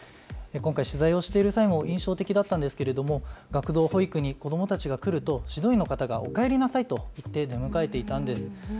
今回、取材をしている際も印象的だったんですが学童保育に子どもたちが来ると指導員の方がお帰りなさいと言って出迎えていたんです。